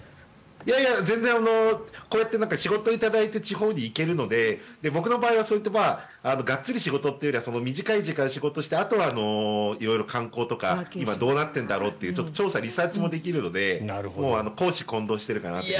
いやいやこうやって仕事を頂いて地方に行けるので僕の場合はそういったがっつり仕事というよりは短い時間、仕事してあとは観光とか今どうなってるんだろうというリサーチもできるのでもう公私混同しているかなという。